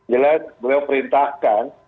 jelan beliau perintahkan